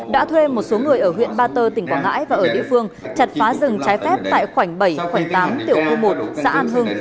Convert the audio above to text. đã thuê một số người ở huyện ba tơ tỉnh quảng ngãi và ở địa phương chặt phá rừng trái phép tại khoảnh bảy khoảnh tám tiểu khu một xã an hưng